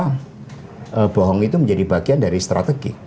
kebohongan itu menjadi bagian dari strategi